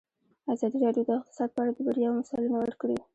ازادي راډیو د اقتصاد په اړه د بریاوو مثالونه ورکړي.